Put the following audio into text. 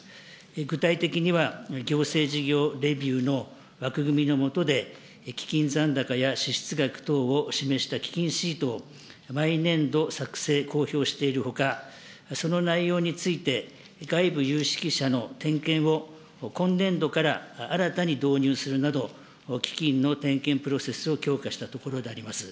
具体的には、行政事業レビューの枠組みのもとで、基金残高や支出額等を示した基金シートを、毎年度作成、公表しているほか、その内容について、外部有識者の点検を今年度から新たに導入するなど、基金の点検プロセスを強化したところであります。